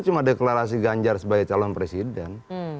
cuma deklarasi ganjar sebagai calon presiden